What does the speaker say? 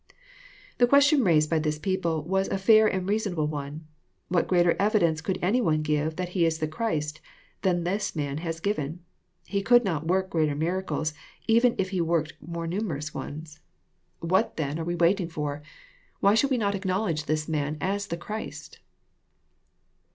The question raised by these people was a foir and reasonable one, —" What greater evidence could any one give that He is the Christ, than this man has givep? He could not work great er miracles, even if He worked more numerous ones. What then 86 EXPOSITORY THOUGHTS. are we waitlng for? Why should we not acknowledge this maa as the Christ?"